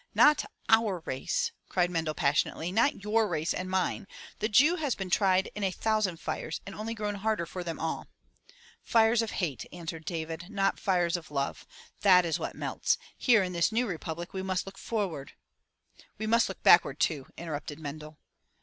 "Not our race!" cried Mendel passionately. "Not your race and mine. The Jew has been tried in a thousand fires and only grown harder for them all." "Fires of hate," answered David, "not fires of love. That is what melts. Here in this new republic we must look forward —" "We must look backward too," interrupted Mendel.